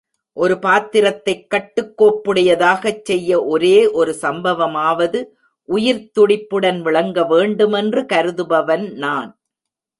ஒரு பாத்திரத்தைக் கட்டுக் கோப்புடையதாகச் செய்ய ஒரே ஒரு சம்பவமாவது உயிர்த்துடிப்புடன் விளங்கவேண்டுமென்று கருதுபவன் நான்.